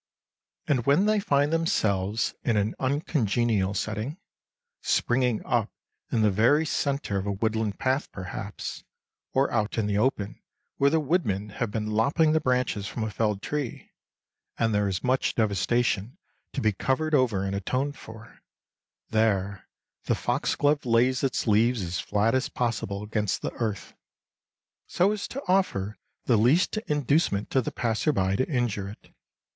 And when they find themselves in an uncongenial setting—springing up in the very centre of a woodland path perhaps, or out in the open where the woodmen have been lopping the branches from a felled tree, and there is much devastation to be covered over and atoned for—there the foxglove lays its leaves as flat as possible against the earth, so as to offer the least inducement to the passer by to injure it.